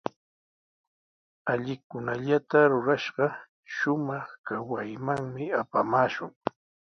Allikunallata rurashqa, shumaq kawaymanmi apamaashun.